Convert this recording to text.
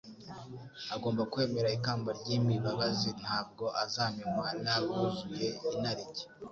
agomba kwemera ikamba ry'imibabazi Ntabwo azamenywa n'abuzuye inarijye;